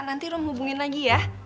nanti rom hubungin lagi ya